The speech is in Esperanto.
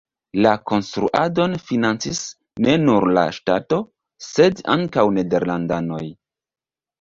La konstruadon financis ne nur la ŝtato, sed ankaŭ nederlandanoj.